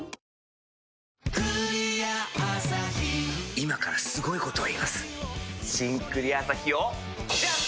今からすごいこと言います「新・クリアアサヒ」をジャン！